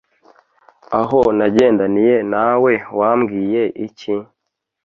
Aho nagendaniye nawe wambwiye iki?